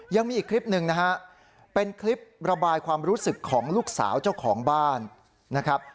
ยังมีอีกคลิปหนึ่งนะฮะเป็นคลิประบายความรู้สึกของลูกสาวเจ้าของบ้านนะครับ